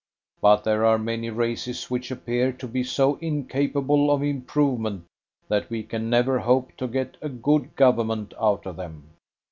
But there are many races which appear to be so incapable of improvement that we can never hope to get a good Government out of them.